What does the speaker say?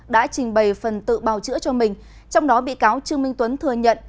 đã trình bày phần tự bào chữa cho mình trong đó bị cáo trương minh tuấn thừa nhận